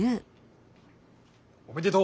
おめでとう。